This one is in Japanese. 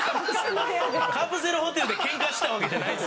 カプセルホテルでケンカしたわけじゃないですよ。